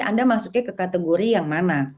anda masuknya ke kategori yang mana